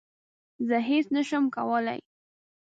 زه هیڅ نه شم کولای